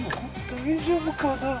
大丈夫かな？